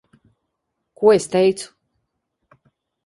Ko es teicu?